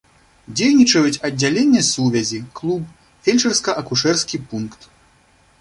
Дзейнічаюць аддзяленне сувязі, клуб, фельчарска-акушэрскі пункт.